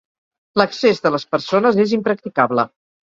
L'accés de les persones és impracticable.